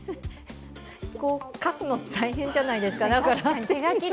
書くの大変じゃないですか。